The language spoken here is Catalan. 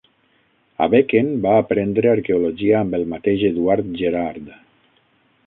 Abeken va aprendre arqueologia amb el mateix Eduard Gerhard.